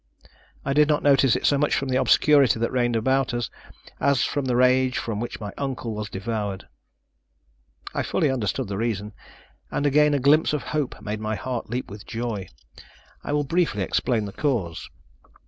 I did not notice it so much from the obscurity that reigned around us, as from the rage with which my uncle was devoured. I fully understood the reason, and again a glimpse of hope made my heart leap with joy. I will briefly explain the cause.